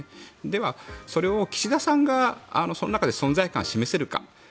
では、それを岸田さんがその中で存在感を示せるか。